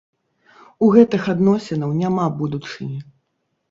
У гэтых адносінаў няма будучыні!